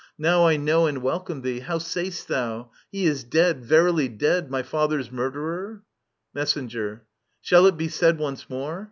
Now I know and welcome thee. How sayst thou ? He is dead, verily dead, My Other's murderer •••? Messbngbil Shall it be said Once more